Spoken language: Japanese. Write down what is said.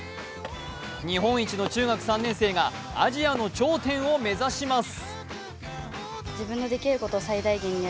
日本一の中学３年生がアジアの頂点を目指します。